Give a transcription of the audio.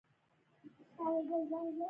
زه خپل په بڼ کې بېلابېل ګلان کرم